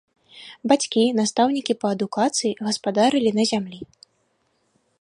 Бацькі, настаўнікі па адукацыі, гаспадарылі на зямлі.